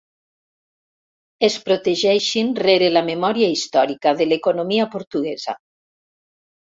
Es protegeixin rere la memòria històrica de l'economia portuguesa.